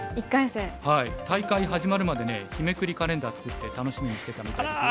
大会始まるまでね日めくりカレンダー作って楽しみにしてたみたいですよ。